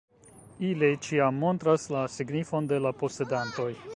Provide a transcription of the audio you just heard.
Ili ĉiam montras la signifon de la posedantoj.